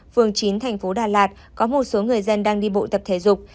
phường chín thành phố đà lạt có một số người dân đang đi bộ tập thể dục